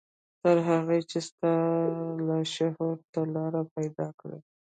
تر هغو چې ستاسې لاشعور ته لاره پيدا کړي.